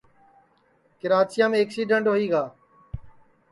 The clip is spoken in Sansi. کراچیام اکسیڈن ہوئی گا